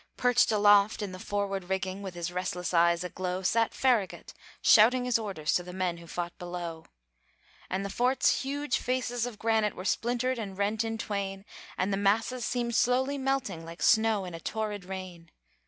Perched aloft in the forward rigging, With his restless eyes aglow, Sat Farragut, shouting his orders To the men who fought below. And the fort's huge faces of granite Were splintered and rent in twain, And the masses seemed slowly melting, Like snow in a torrid rain.